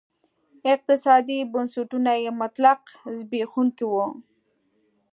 اقتصادي بنسټونه یې مطلق زبېښونکي وو.